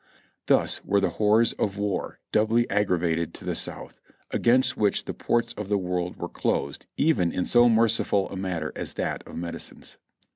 Thus were the horrors of war doubly aggravated to the South, against which the ports of the world were closed even in so merciful a matter as that of medicines.